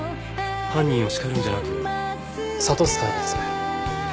犯人を叱るんじゃなく諭すタイプですね。